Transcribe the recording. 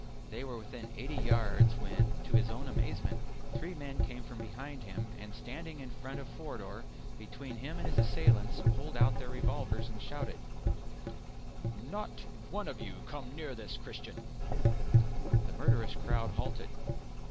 They were within eighty yards when, to his own amazement, three men came from behind him, and standing in front of Forder between him and his assailants pulled out their revolvers and shouted, "Not one of you come near this Christian!" The murderous crowd halted.